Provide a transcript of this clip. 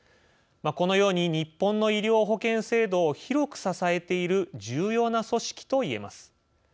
このように日本の医療保険制度を広く支えている重要な組織といえます。